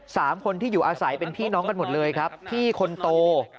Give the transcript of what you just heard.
สามคนที่อยู่อาศัยเป็นพี่น้องกันหมดเลยครับพี่คนโต